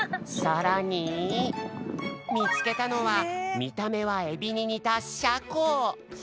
さらにみつけたのはみためはエビににたシャコ？